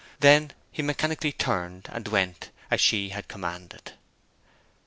Then he mechanically turned, and went, as she had commanded.